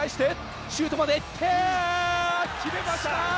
決めました！